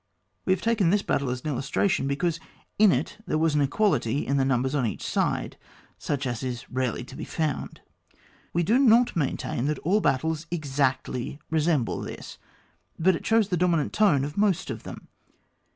We have taken this battle as an illustration, because in it there was an equality in the numbers on each side such as is rarely to be found. We do not maintain that all battles exactly resemble this, but it shows the dominant tone of most of them.